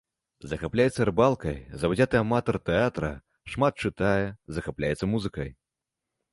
Захапляецца рыбалкай, заўзяты аматар тэатра, шмат чытае, захапляецца музыкай.